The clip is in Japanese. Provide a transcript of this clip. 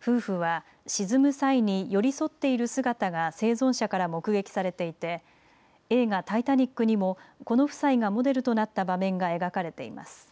夫婦は沈む際に寄り添っている姿が生存者から目撃されていて映画タイタニックにもこの夫妻がモデルとなった場面が描かれています。